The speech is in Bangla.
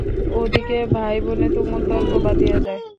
ওদিকে ভাইবোনে তুমুল তর্ক বাধিয়া যায়।